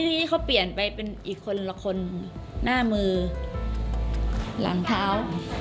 ทีนี้เขาเปลี่ยนไปเป็นอีกคนละคนหน้ามือหลังเท้า